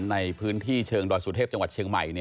ในพื้นที่เชิงดอยสุเทพจังหวัดเชียงใหม่